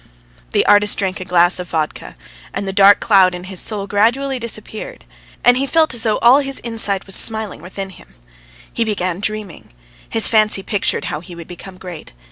The artist drank a glass of vodka, and the dark cloud in his soul gradually disappeared, and he felt as though all his inside was smiling within him. He began dreaming. ... His fancy pictured how he would become great.